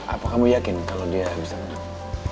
apa kamu yakin kalau dia bisa menang